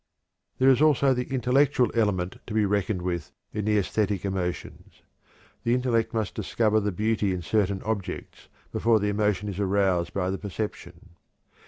There is also the intellectual element to be reckoned with in the æsthetic emotions. The intellect must discover the beauty in certain objects before the emotion is aroused by the perception.